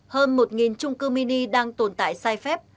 hơn một trung cư mini đang tồn tại sai phép